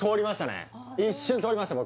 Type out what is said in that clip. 一瞬通りました